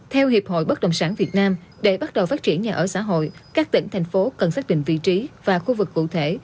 theo hiệp hội bất đồng sản việt nam để bắt đầu phát triển nhà ở xã hội các tỉnh thành phố cần xác định vị trí và khu vực cụ thể